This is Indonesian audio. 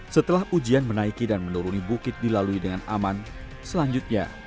setelah ujian menaiki dan menuruni bukit dilalui dengan aman selanjutnya